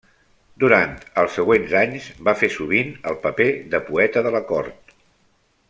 Durant els següents anys va fer sovint el paper de poeta de la cort.